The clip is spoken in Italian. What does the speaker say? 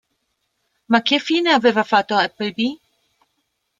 Ma che fine aveva fatto Appleby?